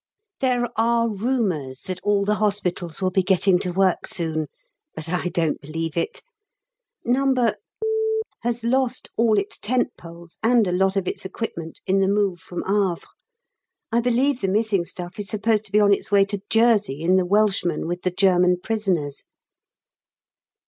There are rumours that all the hospitals will be getting to work soon, but I don't believe it. No. has lost all its tent poles, and a lot of its equipment in the move from Havre. I believe the missing stuff is supposed to be on its way to Jersey in the Welshman with the German prisoners.